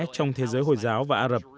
trong thế giới hồi giáo và ả rập